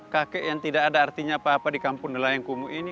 kakek yang tidak ada artinya apa apa di kampung nelayan kumuh ini